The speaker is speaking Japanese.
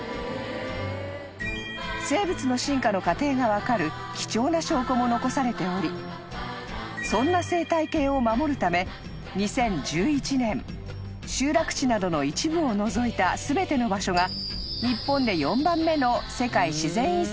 ［生物の進化の過程が分かる貴重な証拠も残されておりそんな生態系を守るため２０１１年集落地などの一部を除いた全ての場所が］